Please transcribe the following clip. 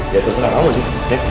ya terserah kamu sih